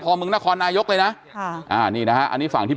พอมึงนครนายกเลยนะค่ะอ่านี่นะฮะอันนี้ฝั่งที่